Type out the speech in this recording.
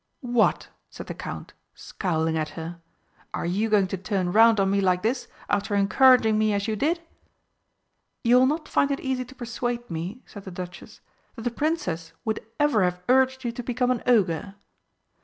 "What!" said the Count, scowling at her. "Are you going to turn round on me like this, after encouraging me as you did?" "You will not find it easy to persuade me," said the Duchess, "that the Princess would ever have urged you to become an Ogre."